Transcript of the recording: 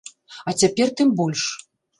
А цяпер тым больш.